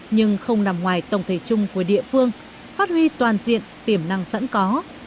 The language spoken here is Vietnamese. nhưng không nằm ngoài tổng thể chung của địa phương phát huy toàn diện tiềm năng sẵn có